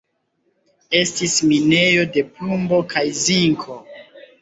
Estis minejo de plumbo kaj zinko.